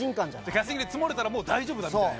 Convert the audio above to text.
キャスティングで積もれたら「もう大丈夫だ」みたいな。